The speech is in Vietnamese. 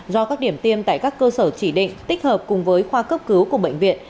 do các điểm tiêm tại các cơ sở chỉ định tích hợp cùng với khoa cấp cứu của bệnh viện